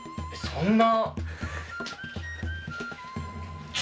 そんな。